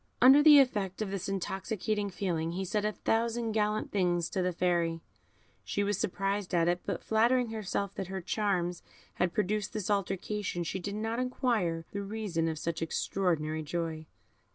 Under the effect of this intoxicating feeling, he said a thousand gallant things to the Fairy. She was surprised at it, but flattering herself that her charms had produced this alteration, she did not inquire the reason of such extraordinary joy.